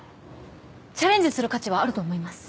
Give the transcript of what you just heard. チャレンジする価値はあると思います。